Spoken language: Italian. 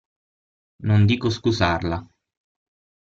Non dico scusarla.